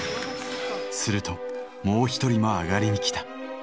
するともう一人もアガリにきた。